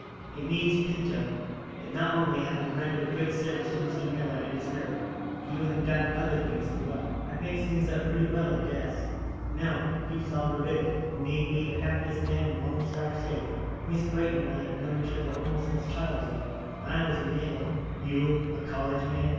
"It means, Pinto, that not only have you rendered a great service to Mr. Miller and his herd, but you have done other things as well." "I've mixed things up pretty well, I guess." "No. You have solved a riddle, and made me the happiest man in the Lone Star State. Miss Brayton and I have known each other almost since childhood. When I was in Yale " "You a college man!"